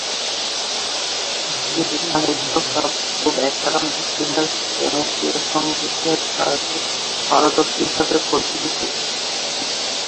তিনি সাহিত্য, কাব্য, ব্যাকরণ, ইতিহাস, জ্যামিতি ও সঙ্গীতের পারদর্শী হিসেবে পরিচিত ছিলেন।